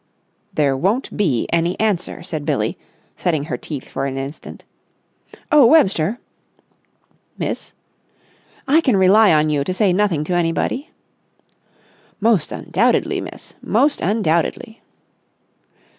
"There won't be any answer," said Billie, setting her teeth for an instant. "Oh, Webster!" "Miss?" "I can rely on you to say nothing to anybody?" "Most undoubtedly, miss. Most undoubtedly."